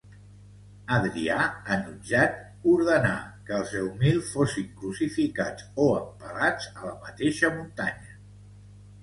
Adrià, enutjat, ordenà que els deu mil fossin crucificats o empalats a la mateixa muntanya.